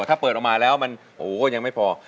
ถ้าเปิดออกมาแล้วมันโอ้โหก็ยังไม่พอ